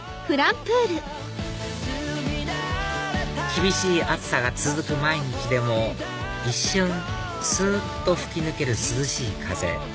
厳しい暑さが続く毎日でも一瞬すっと吹き抜ける涼しい風